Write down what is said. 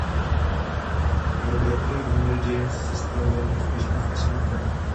Jeho bratr Henry James se stal velmi úspěšným spisovatelem.